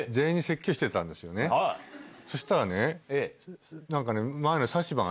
そしたらね。